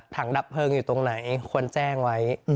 ดับเพลิงอยู่ตรงไหนควรแจ้งไว้